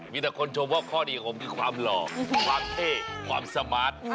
มีแต่คนชมว่าข้อดีของผมคือความหล่อความเท่ความสมาร์ท